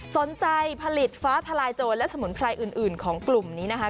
สนใจผลิตฟ้าทลายโจรและสมุนไพรอื่นของกลุ่มนี้นะคะ